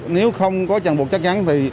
nếu không có chẳng buộc chắc chắn thì